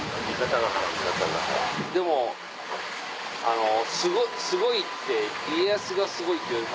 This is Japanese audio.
でも「すごい」って家康がすごいっていうよりも。